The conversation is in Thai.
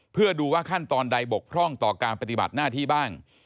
เพื่อดูว่าขั้นตอนใดบกพร่องต่อการปฏิบัติหน้าที่บ้าง